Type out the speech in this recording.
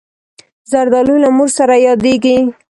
زردالو له مور سره یادېږي.